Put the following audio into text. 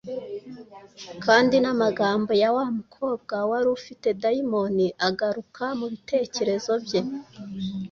kandi n’amagambo ya wa mukobwa wari ufite dayimoni agaruka mu bitekerezo bye.